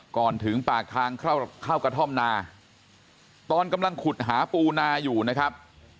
ก่อนถึงปากทางเข้ากระท่อมนาตอนกำลังขุดหาปูนาอยู่นะครับ